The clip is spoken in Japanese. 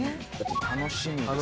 楽しみですよ。